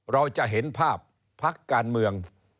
เราจะเห็นภาพพักการเมือง